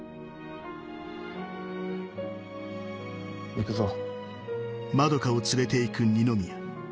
行くぞ。